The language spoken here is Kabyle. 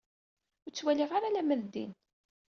Ur ttwaliɣ ara alamma d din.